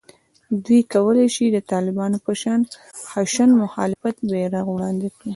دوی کولای شي د طالبانو په شان د خشن مخالفت بېرغ وړاندې کړي